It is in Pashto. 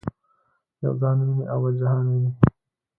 یو ځان ویني او بل جهان ویني.